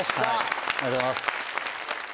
ありがとうございます。